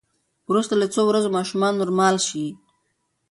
وروسته له څو ورځو ماشومان نورمال شي.